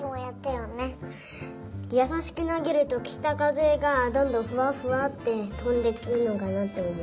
やさしくなげるときたかぜがどんどんふわふわってとんでくるのかなっておもう。